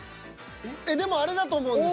でもあれだと思うんです。